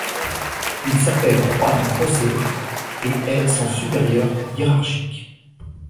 Il s'appelle Juan José et est son supérieur hiérarchique.